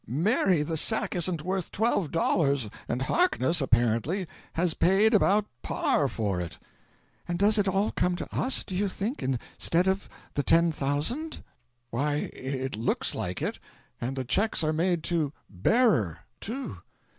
Mary, the sack isn't worth twelve dollars, and Harkness apparently has paid about par for it." "And does it all come to us, do you think instead of the ten thousand?" "Why, it looks like it. And the cheques are made to 'Bearer,' too."